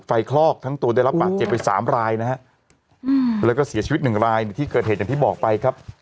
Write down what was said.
คลอกทั้งตัวได้รับบาดเจ็บไปสามรายนะฮะแล้วก็เสียชีวิตหนึ่งรายในที่เกิดเหตุอย่างที่บอกไปครับ